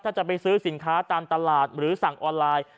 ถ้าจะไปซื้อสินค้าตามตลาดหรือสั่งออนไลน์